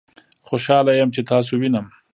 خوشحاله یم چې تاسو وینم